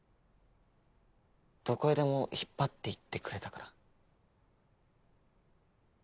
どこへでも引っ張って行ってくれたから。